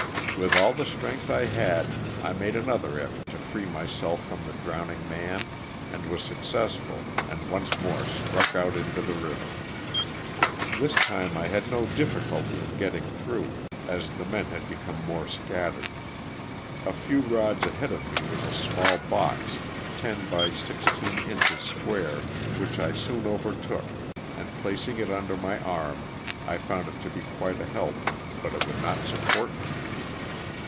With all the strength I had I made another effort to free myself from the drowning man and was successful and once more struck out into the river. This time I had no difficulty in getting through, as LOSS OF THE SULTAN"A. 277 the men had become more scattered. A few rods ahead of me was a small box, ten by sixteen inches square, which I soon overtook and placing it under my arm I found it to be quite a help, but it would not support me.